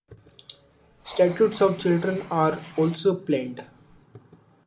Statues of children are also planned.